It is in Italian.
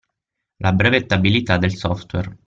La brevettabilità del software.